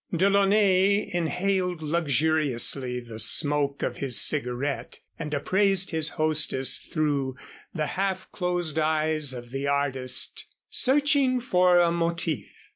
DeLaunay inhaled luxuriously the smoke of his cigarette and appraised his hostess through the half closed eyes of the artist searching for a "motif."